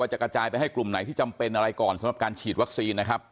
จะกระจายไปให้กลุ่มไหนที่จำเป็นอะไรก่อนสำหรับการฉีดวัคซีนนะครับ